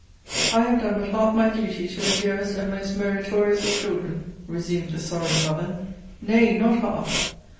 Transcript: I have done but half my duty to the dearest and most meritorious of children, resumed the sorrowing mother! Nay, not half!